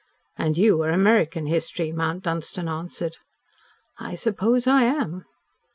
"And you are American history," Mount Dunstan answered. "I suppose I am."